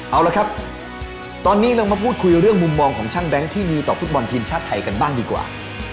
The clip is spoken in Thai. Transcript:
เอาละครับตอนนี้เรามาพูดคุยเรื่องมุมมองของช่างแบงค์ที่มีต่อฟุตบอลทีมชาติไทยกันบ้างดีกว่า